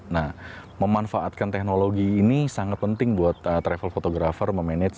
nah memanfaatkan teknologi ini sangat penting buat travel photograph memanage